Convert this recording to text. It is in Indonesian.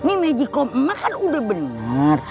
ini magicom emak kan udah bener